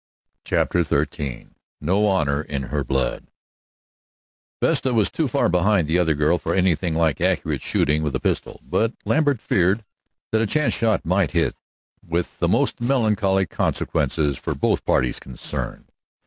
CHAPTER XIII "NO HONOR IN HER BLOOD" Vesta was too far behind the other girl for anything like accurate shooting with a pistol, but Lambert feared that a chance shot might hit, with the most melancholy consequences for both parties concerned.